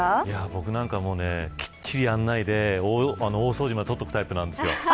僕なんかはきっちりやんないで大掃除まで取っておくタイプなんですよ。